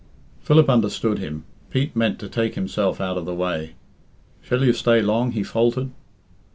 Philip understood him Pete meant to take himself out of the way. "Shall you stay long?" he faltered.